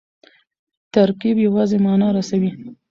ترکیب یوازي مانا رسوي.